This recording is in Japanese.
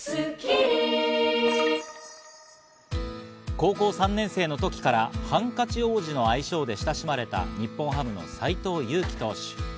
高校３年生の時からハンカチ王子の愛称で親しまれた日本ハムの斎藤佑樹投手。